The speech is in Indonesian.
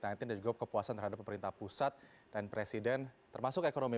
dan juga kepuasan terhadap pemerintah pusat dan presiden termasuk ekonomi